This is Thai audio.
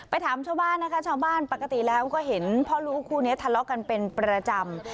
ถามชาวบ้านนะคะชาวบ้านปกติแล้วก็เห็นพ่อลูกคู่นี้ทะเลาะกันเป็นประจำ